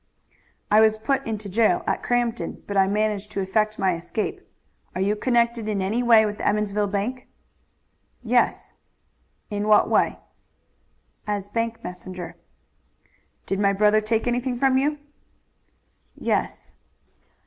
"I was put into jail at Crampton, but I managed to effect my escape. Are you connected in any way with the Emmonsville bank?" "Yes." "In what way?" "As bank messenger." "Did my brother take anything from you?" "Yes."